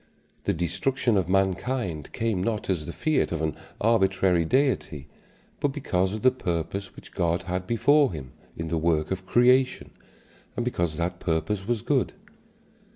The destruction of mankind came not as the fiat of an arbitrary Deity, but because of the purpose which God had before him in the work of creation, and because that purpose was good.